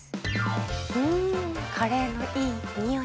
んカレーのいいにおい。